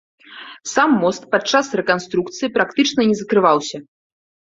Сам мост падчас рэканструкцыі практычна не закрываўся.